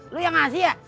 lu yang ngasih ya